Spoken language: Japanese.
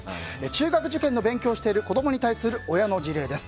中学受験の勉強をしている子供に対する親の事例です。